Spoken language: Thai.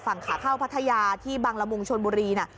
ฝั่งขาเข้าพัทยาที่บังละมุงชนบุรีนะ